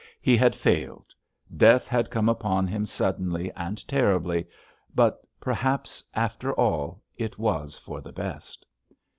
He had failed—death had come upon him suddenly and terribly, but perhaps, after all, it was for the best....